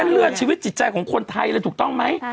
เลื่อนชีวิตจิตใจของคนไทยเลยถูกต้องไหม